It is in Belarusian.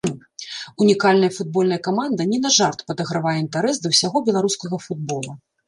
Унікальная футбольная каманда не на жарт падагравае інтарэс да ўсяго беларускага футбола.